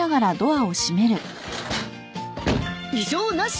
異常なし。